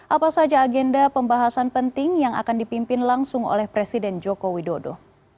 apa saja agenda pembahasan penting yang akan dipimpin langsung oleh presiden joko widodo